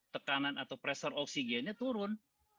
tekanan atau pressure oksigennya turun